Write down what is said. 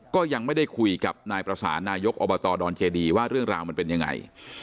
ก็ยังไม่ได้คุยกับนายประสานนายกอบตดอนเจดีว่าเรื่องราวมันเป็นยังไง